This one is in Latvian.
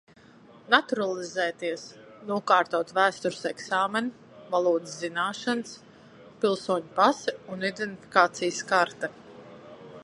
Naturalizēties - nokārtot vēstures eksāmenu, valodas zināšanas, pilsoņa pase un identifikācijas karte.